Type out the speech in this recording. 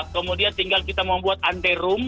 kemudian tinggal kita membuat ante room